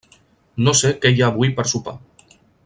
No sé què hi ha avui per sopar.